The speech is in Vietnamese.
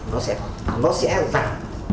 nó sẽ nó sẽ giảm